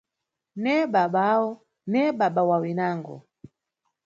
Ne babawo, ne baba wa winango.